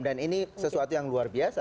dan ini sesuatu yang luar biasa